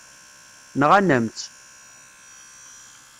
Nɣan-am-tt.